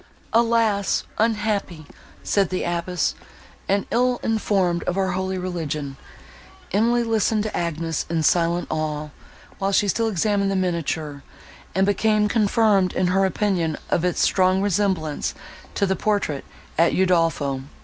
"Alas! unhappy!" said the abbess, "and ill informed of our holy religion!" Emily listened to Agnes, in silent awe, while she still examined the miniature, and became confirmed in her opinion of its strong resemblance to the portrait at Udolpho.